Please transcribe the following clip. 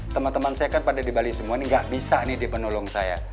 teman teman saya kan pada di bali semua ini nggak bisa nih di penolong saya